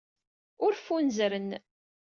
Ur ffunzren.